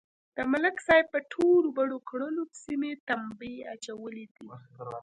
د ملک صاحب په ټولو بدو کړنو پسې مې تمبې اچولې دي